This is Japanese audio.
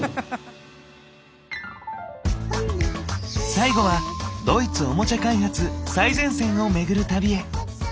最後はドイツオモチャ開発最前線をめぐる旅へ！